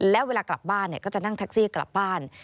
และเวลากลับบ้านก็จะนั่งแท็กซี่กลับบ้าน